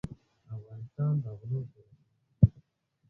افغانستان د غلو کور دی.